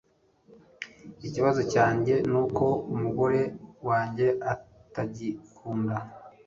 Ikibazo cyanjye nuko umugore wanjye atagikunda